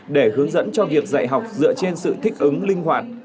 để hướng dẫn cho việc dạy học dựa trên sự thích ứng linh hoạt